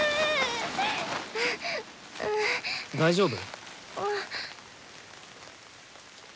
大丈夫？